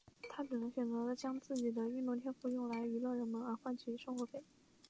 他只能选择将他的运动天赋用来娱乐人们而换取生活费。